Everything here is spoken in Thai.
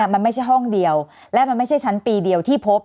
มันไม่ใช่ห้องเดียวและมันไม่ใช่ชั้นปีเดียวที่พบ